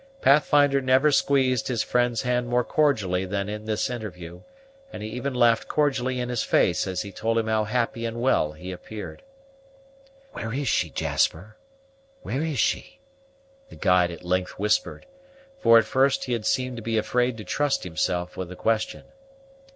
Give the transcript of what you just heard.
Pathfinder never squeezed his friend's hand more cordially than in this interview; and he even laughed cordially in his face as he told him how happy and well he appeared. "Where is she, Jasper? Where is she?" the guide at length whispered, for at first he had seemed to be afraid to trust himself with the question.